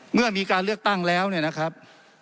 เมื่อมีการเลือกตั้งแล้วเนี่ยนะครับ